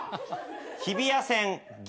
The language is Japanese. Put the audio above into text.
日比谷線銀。